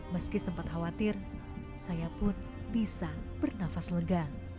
meski sempat khawatir saya pun bisa bernafas lega